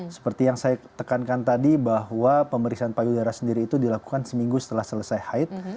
seperti yang saya tekankan tadi bahwa pemeriksaan payudara sendiri itu dilakukan seminggu setelah selesai haid